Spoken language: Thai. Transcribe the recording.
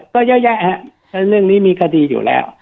ก็เยอะแยะฮะฉะนั้นเรื่องนี้มีคดีอยู่แล้ว